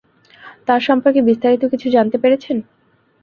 তার সম্পর্কে বিস্তারিত কিছু জানতে পেরেছেন?